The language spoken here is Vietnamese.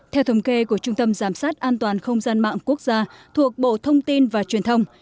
theo thống kê của trung tâm giám sát an toàn không gian mạng quốc gia thuộc bộ thông tin và truyền thông